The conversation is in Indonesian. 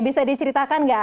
bisa diceritakan gak